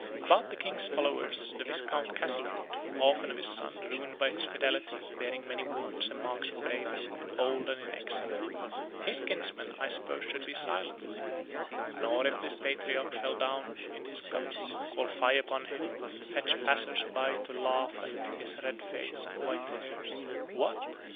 About the King's follower, the Viscount Castlewood orphan of his son, ruined by his fidelity, bearing many wounds and marks of bravery, old and in exile his kinsmen I suppose should be silent; nor if this patriarch fell down in his cups, call fie upon him, and fetch passers by to laugh at his red face and white hairs. What!